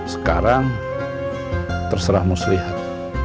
sekarang terserah muslihat